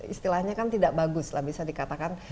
istilahnya kan tidak bagus lah bisa dikatakan